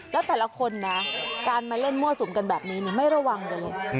แล้วแต่ละคนนะการมาเล่นมั่วสุมกันแบบนี้ไม่ระวังกันเลย